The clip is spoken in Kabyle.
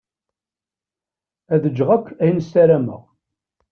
Ad ǧǧeɣ akk ayen ssarameɣ.